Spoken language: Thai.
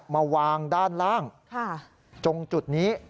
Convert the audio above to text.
มาวางด้านล่างตรงจุดนี้